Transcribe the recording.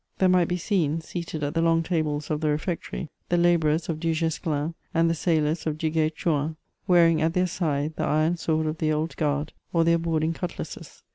There might be seen, seated at the long tables of the refectory, the labourers of Du Guesclin, and the sailors of Duguay Trouin, wearing at their side the iron sword of the old guard, or their boarding cutlasses.